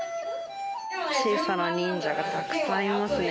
小さな忍者がたくさんいますね。